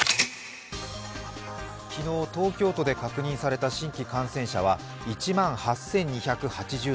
昨日、東京都で確認された新規感染者は１万８２８７人。